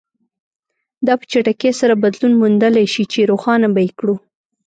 دا په چټکۍ سره بدلون موندلای شي چې روښانه به یې کړو.